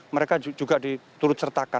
mereka juga diturut sertakan